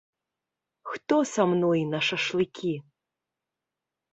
Хто са мной на шашлыкі?